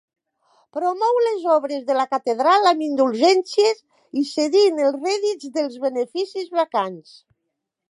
Promou les obres de la catedral amb indulgències i cedint els rèdits dels beneficis vacants.